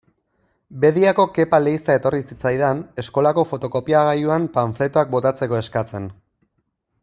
Bediako Kepa Leiza etorri zitzaidan, eskolako fotokopiagailuan panfletoak botatzeko eskatzen.